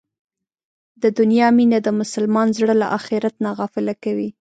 د دنیا مینه د مسلمان زړه له اخرت نه غافله کوي.